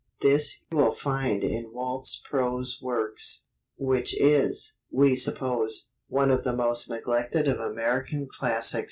This you will find in Walt's Prose Works, which is (we suppose) one of the most neglected of American classics.